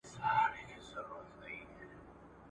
څه باندي درې میاشتي `